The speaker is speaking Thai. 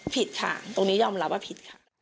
ผิดค่ะตรงนี้ยอมรับว่าผิดค่ะ